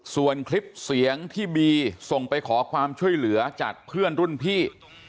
ส่วนคลิปเสียงที่บีส่งไปขอความช่วยเหลือจากเพื่อนรุ่นพี่